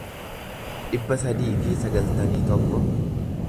dhibba sadii fi sagaltamii tokko